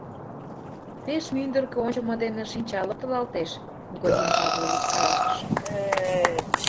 — Пеш мӱндыркӧ ончымо дене шинча локтылалтеш, — Никодим Павлович каласыш.